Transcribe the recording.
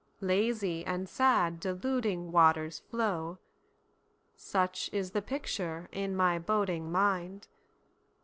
Lazy and sad deluding waters flow—Such is the picture in my boding mind!